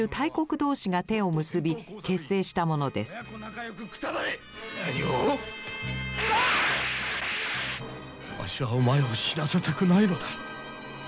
なにを⁉わしはお前を死なせたくないのだ。